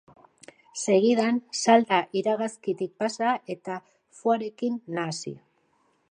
Segidan, salda iragazkitik pasa, eta foie-rekin nahasi.